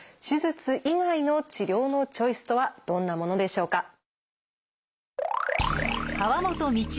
手術以外の治療のチョイスとはどんなものでしょうか？